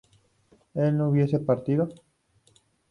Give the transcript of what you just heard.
¿él no hubiese partido?